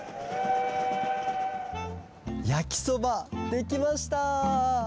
やきそばできました！